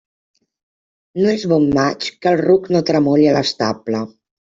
No és bon maig, que el ruc no tremoli a l'estable.